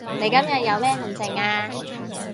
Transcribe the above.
你今日有咩行程啊